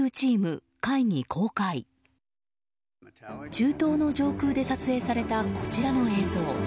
中東の上空で撮影されたこちらの映像。